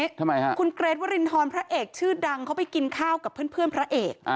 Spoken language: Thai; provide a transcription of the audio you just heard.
ทำไมฮะคุณเกรทวรินทรพระเอกชื่อดังเขาไปกินข้าวกับเพื่อนพระเอก